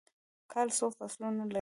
کال څو فصلونه لري؟